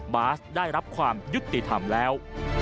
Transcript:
บาสได้รับความยุติธรรมแล้ว